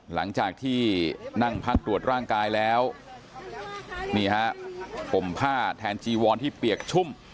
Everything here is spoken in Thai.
หลังจากที่นั่งพักตรวจร่างกายแล้วนี่ฮะห่มผ้าแทนจีวอนที่เปียกชุ่ม